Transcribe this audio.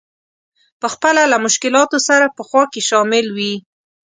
په خپله له مشکلاتو سره په خوا کې شامل وي.